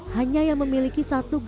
hanya yang memiliki satu grup